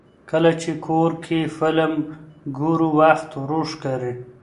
کله چې کور کې فلم ګورو، وخت ورو ښکاري.